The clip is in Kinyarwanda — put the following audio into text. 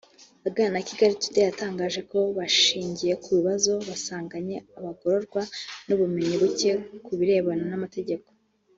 aganira na Kigali Today yatangaje ko bashingiye ku bibazo basanganye abagororwa n’ubumenyi buke ku birebana n’amategeko